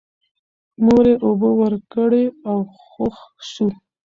مور یې اوبه ورکړې او هوښ شو.